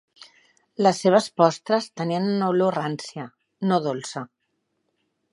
Les seves postres tenien una olor rància, no dolça.